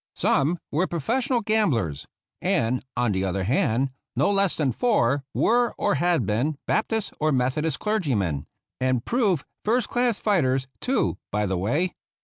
Some were professional gamblers, and, on the other hand, no less than four were or had been Baptist or Methodist clergymen — and proved first class fighters, too, by the way.